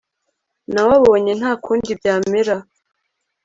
nawe abonye ntakundi byamera